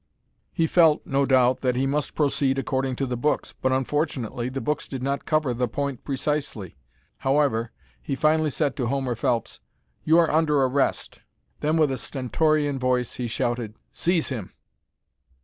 He felt, no doubt, that he must proceed according to the books, but unfortunately the books did not cover the point precisely. However, he finally said to Homer Phelps, "You are under arrest." Then with a stentorian voice he shouted, "Seize him!"